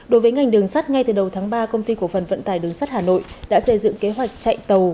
đối với ngành đường sắt ngay từ đầu tháng ba công ty cổ phần vận tải đường sắt hà nội đã xây dựng kế hoạch chạy tàu